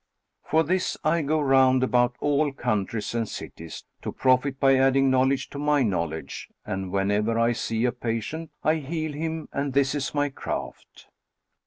For this I go round about all countries and cities, to profit by adding knowledge to my knowledge, and whenever I see a patient I heal him and this is my craft."